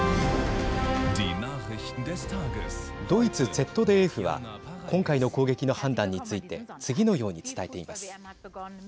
ドイツＺＤＦは今回の攻撃の判断について次のように伝えています。